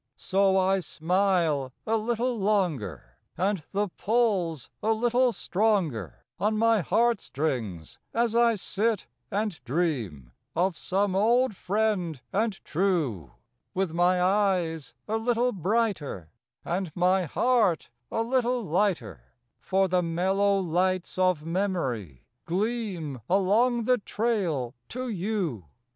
S O I smile a little longer, And the pull's a little stronger On mg heart strings as I sit and ] dream of some old "friend and true °(Dith mg eges a little brighter And mg heart a little lighter, por the mellow lights OT memorij qleam Aloncj the trail to gou.